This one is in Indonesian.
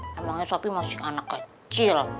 namanya sopi masih anak kecil